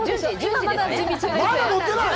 まだ載ってない？